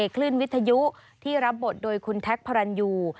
คลื่นวิทยุที่รับบทโดยคุณแท็กพระรันยู